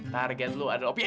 target lo adalah opi